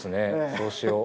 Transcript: そうしよう。